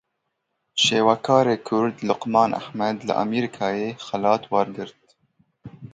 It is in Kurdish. Şêwekarê Kurd Luqman Ehmed li Amerîkayê xelat wergirt.